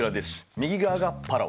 右側がパラオ。